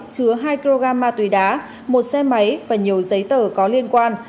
chứa hai kg ma túy đá một xe máy và nhiều giấy tờ có liên quan